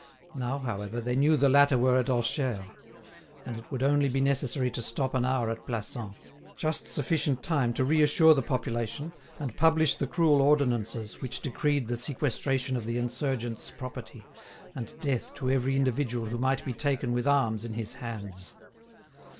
Now, however, they knew the latter were at Orcheres; and it would only be necessary to stop an hour at Plassans, just sufficient time to reassure the population and publish the cruel ordinances which decreed the sequestration of the insurgents' property, and death to every individual who might be taken with arms in his hands.